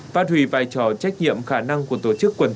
và rủi vai trò trách nhiệm khả năng của tổ chức quần chủ